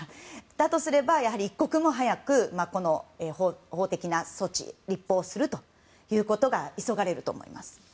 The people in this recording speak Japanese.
だとすれば一刻も早く、法的な措置を立法するということが急がれると思います。